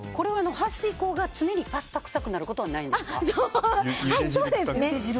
排水口が常にパスタ臭くなることはないですか？